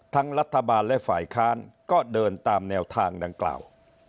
รัฐบาลและฝ่ายค้านก็เดินตามแนวทางดังกล่าว